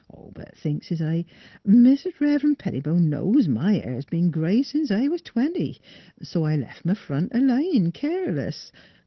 But, thinks s'l, Mis' Rev'ren' Pettibone knows my hair 's been gray sence I was twenty; so I left m' front a layin' keerless.